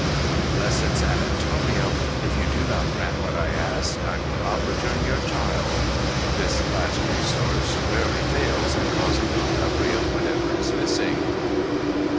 "Blessed San Antonio if you do not grant what I ask, I will not return your child" this last resource rarely fails in causing the recovery of whatever is missing.